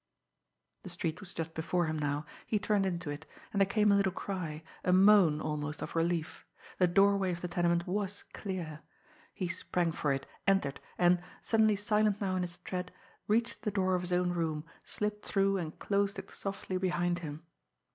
The street was just before him now. He turned into it and there came a little cry, a moan almost, of relief. The doorway of the tenement was clear. He sprang for it, entered, and, suddenly silent now in his tread, reached the door of his own room, slipped through and closed it softly behind him.